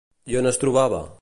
I on es trobava?